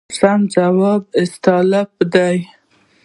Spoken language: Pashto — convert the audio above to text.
سم ځواب استالف دی.